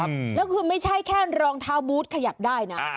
แล้วคือไม่ใช่แค่รองเท้าบูธขยับได้นะ